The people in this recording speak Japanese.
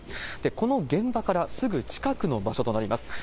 この現場からすぐ近くの場所となります。